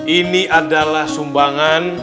ini adalah sumbangan